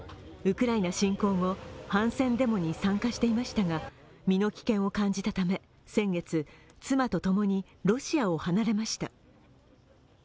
ウクライナ侵攻後、反戦デモに参加していましたが、身の危険を感じたため、先月、妻と共にロシアを離れました。